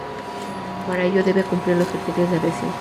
Para ello, debe cumplir los criterios de adhesión.